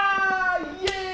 イエーイ！